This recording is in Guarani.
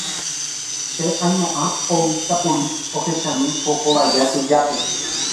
che aimo'ã oútakuri ohechami ko hovaja tujápe.